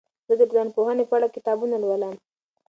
زه د ټولنپوهنې په اړه کتابونه لولم.